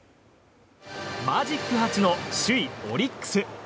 マジック８の首位オリックス。